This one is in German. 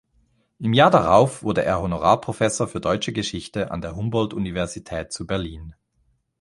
Im Jahr darauf wurde er Honorarprofessor für Deutsche Geschichte an der Humboldt-Universität zu Berlin.